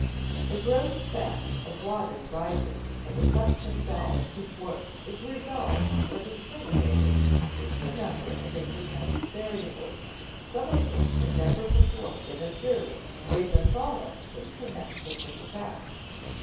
The gross fact of water rising when the suction valve is worked is resolved or discriminated into a number of independent variables, some of which had never before been observed or even thought of in connection with the fact.